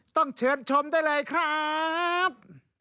ต้องเชิญชมได้เลยครับ